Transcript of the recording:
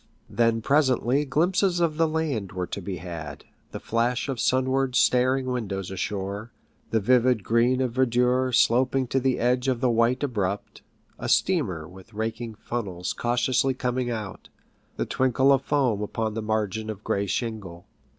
Then presently glimpses of the land were to be had, the flash of sunward staring windows ashore, the vivid green of verdure sloping to the edge of the white abrupt, a steamer with raking funnels cautiously coming out, the twinkle of foam upon the margin of gray shingle.